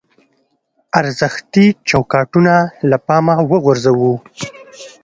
ارزښتي چوکاټونه له پامه وغورځوو.